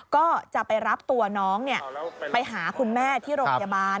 ก็จะไปรับตัวน้องไปหาคุณแม่ที่โรงพยาบาล